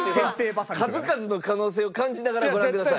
数々の可能性を感じながらご覧ください。